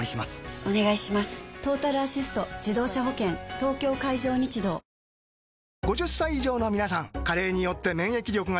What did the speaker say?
東京海上日動わぁ！